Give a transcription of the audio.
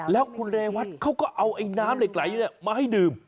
แล้วคุณเรวัตเขาก็เอาไอ้น้ำเหล็กไหลมาให้ดื่ม